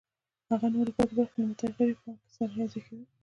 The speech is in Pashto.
هغه نوره پاتې برخه له متغیرې پانګې سره یوځای کوي